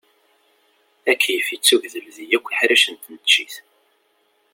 Akeyyef ittugdel di yakk iḥricen n tneččit.